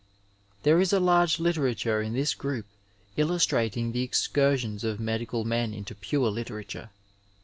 There is a large literature in this group illustrating the excursions of medical men into pure literature.